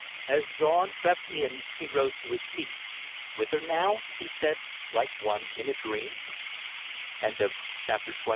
As dawn crept in he rose to his feet. "Whither now?" he said, like one in a dream. CHAPTER XXII.